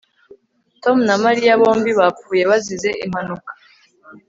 Tom na Mariya bombi bapfuye bazize impanuka